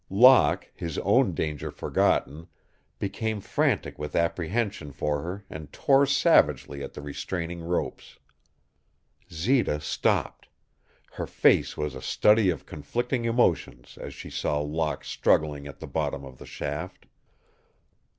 Locke, his own danger forgotten, became frantic with apprehension for her and tore savagely at the restraining ropes. Zita stopped. Her face was a study of conflicting emotions as she saw Locke struggling at the bottom of the shaft.